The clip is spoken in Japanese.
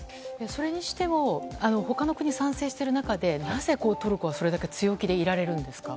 それにしても他の国は賛成している中でなぜトルコはそれだけ強気でいられるんですか。